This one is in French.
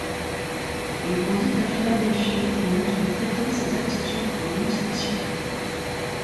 Il grandit à Philadelphie et montre très tôt ses aptitudes pour l'illustration.